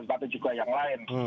tapi juga yang lain